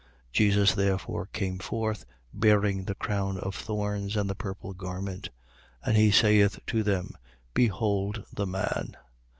19:5. (Jesus therefore came forth, bearing the crown of thorns and the purple garment.) And he saith to them: Behold the Man.